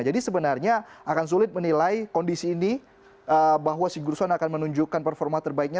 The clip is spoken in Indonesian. jadi sebenarnya akan sulit menilai kondisi ini bahwa sigurdsson akan menunjukkan performa terbaiknya